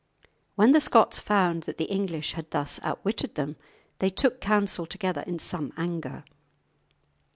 When the Scots found that the English had thus outwitted them, they took counsel together in some anger.